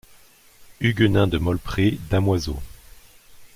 Huguenin de Molpré, damoiseau.